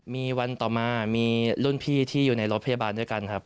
มีวันต่อมามีรุ่นพี่ที่อยู่ในรถพยาบาลด้วยกันครับ